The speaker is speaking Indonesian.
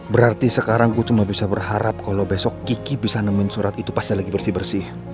berarti sekarang gue cuma bisa berharap kalau besok kiki bisa nemuin surat itu pas lagi bersih bersih